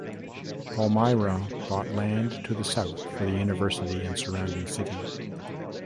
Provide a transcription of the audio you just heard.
Palmyra bought land to the south for the university and surrounding city.